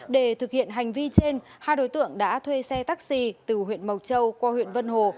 để thực hiện hành vi trên hai đối tượng đã thuê xe taxi từ huyện mộc châu qua huyện vân hồ